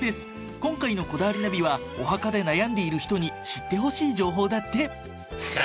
今回の『こだわりナビ』はお墓で悩んでいる人に知ってほしい情報だって。